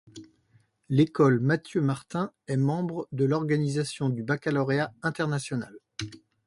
L’École Mathieu-Martin est membre de l’Organisation du baccalauréat international.